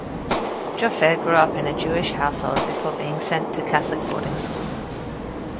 Joffe grew up in a Jewish household before being sent to Catholic boarding school.